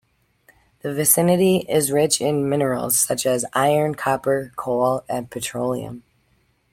The vicinity is rich in minerals such as iron, copper, coal, and petroleum.